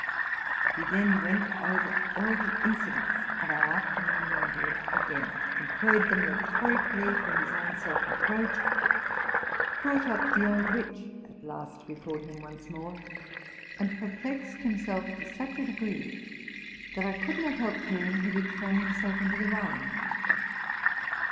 He then went over all the incidents of our afternoon ramble again, employed them rhe torically for his own self reproach, brought up the old witch at last before him once more, and perplexed himself to such a degree, that I could not help fearing he would throw himself into the Rhine.